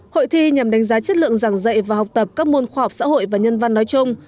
hội thi nhằm đánh giá chất lượng giảng dạy và học tập các môn khoa học xã hội và nhân văn nói chung